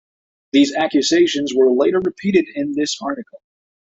These accusations were later repeated in this article.